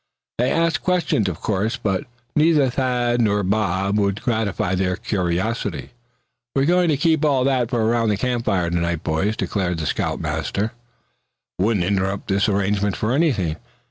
They asked questions, of course but neither Thad nor Bob would gratify their curiosity. "We're going to keep all that for around the camp fire to night boys," declared the scout master, firmly. "Wouldn't interrupt this arrangement for anything.